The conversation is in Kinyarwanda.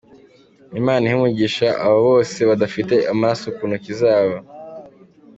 Imana ihe umugisha abo bose badafite amaraso ku ntoki zabo.